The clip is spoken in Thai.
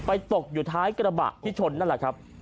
ตกอยู่ท้ายกระบะที่ชนนั่นแหละครับ